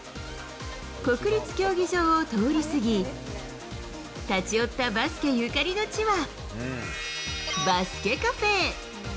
国立競技場を通り過ぎ、立ち寄ったバスケゆかりの地は、バスケカフェ。